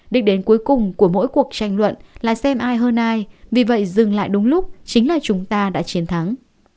đích đến cuối cùng của mỗi cuộc tranh luận là xem ai hơn ai vì vậy dừng lại đúng lúc chính là chúng ta đã chiến thắng